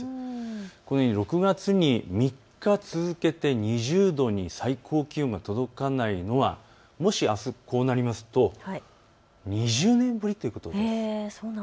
このように６月に３日続けて２０度に最高気温が届かないのはもしあす、こうなりますと２０年ぶりということになります。